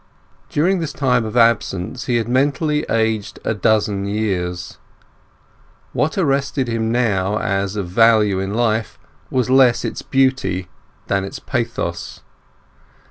During this time of absence he had mentally aged a dozen years. What arrested him now as of value in life was less its beauty than its pathos.